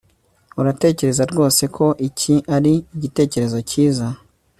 Uratekereza rwose ko iki ari igitekerezo cyiza